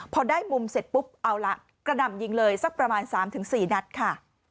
พอได้มุมเสร็จปุ๊บเอาละกระหน่ำยิงเลยสักประมาณ๓๔นัดค่ะ